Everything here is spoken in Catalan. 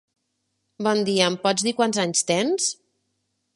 Bon dia, em pots dir quants anys tens?